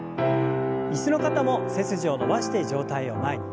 椅子の方も背筋を伸ばして上体を前に。